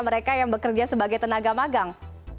mereka yang bekerja sebagai tenaga magang